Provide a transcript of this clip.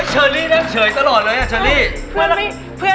เชิร์นรีเสวยตลอดนะชัลลี